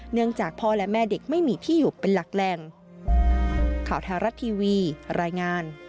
เนื่องจากพ่อและแม่เด็กไม่มีที่อยู่เป็นหลักแหล่งข่าว